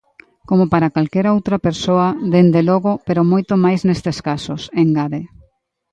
Como para calquera outra persoa, dende logo, pero moito máis nestes casos, engade.